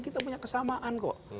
kita punya kesamaan kok